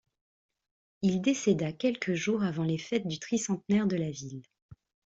Il décéda quelques jours avant les fêtes du tricentenaire de la Ville.